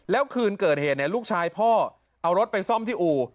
แล้วคืนเกิดเหตุลูกชายพ่อเอารถไปซ่อมที่อู่